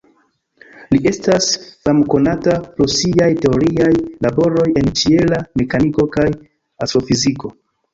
Li estas famkonata pro siaj teoriaj laboroj en ĉiela mekaniko kaj astrofiziko.